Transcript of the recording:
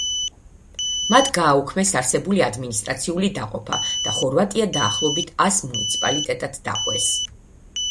მათ გააუქმეს არსებული ადმინისტრაციული დაყოფა და ხორვატია დაახლოებით ას მუნიციპალიტეტად დაყვეს.